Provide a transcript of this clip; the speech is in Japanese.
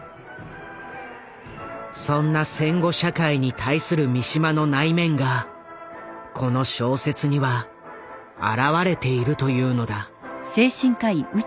そんな戦後社会に対する三島の内面がこの小説には表れているというのだ。